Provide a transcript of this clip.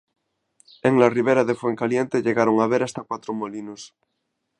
En la ribera de Fuencaliente llegaron a haber hasta cuatro molinos.